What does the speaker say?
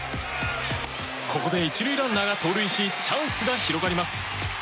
ここで１塁ランナーが盗塁しチャンスが広がります。